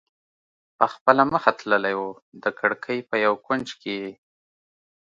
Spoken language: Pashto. په خپله مخه تللی و، د کړکۍ په یو کونج کې یې.